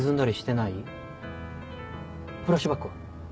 フラッシュバックは？